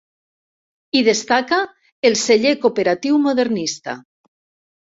Hi destaca el celler cooperatiu modernista.